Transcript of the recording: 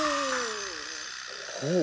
ほう。